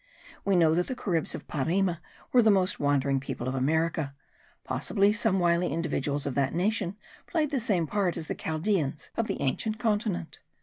We know that the Caribs of Parima were the most wandering people of America; possibly some wily individuals of that nation played the same part as the Chaldeans of the ancient continent.